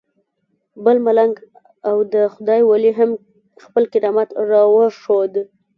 بل ملنګ او د خدای ولی هم خپل کرامت راوښود.